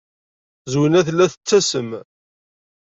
Zwina tella tettasem.